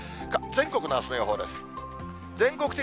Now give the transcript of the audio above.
全国のあすの予報です。